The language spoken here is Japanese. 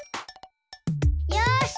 よし！